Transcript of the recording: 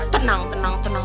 tenang tenang tenang